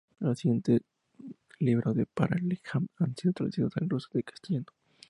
Los siguientes libros de Perelman han sido traducidos del ruso al castellano.